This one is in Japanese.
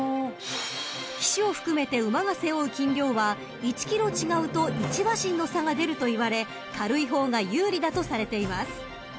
［騎手を含めて馬が背負う斤量は１ｋｇ違うと１馬身の差が出るといわれ軽い方が有利だとされています］